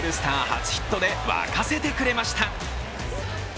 初ヒットで沸かせてくれました。